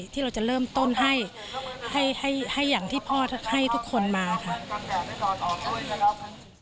ที่เราจะเริ่มต้นให้อย่างที่พ่อให้ทุกคนมาค่ะ